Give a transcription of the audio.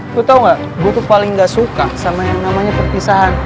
gue tau gak gue tuh paling gak suka sama yang namanya perpisahan